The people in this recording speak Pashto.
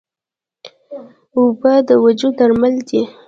اوبه د وجود درمل دي.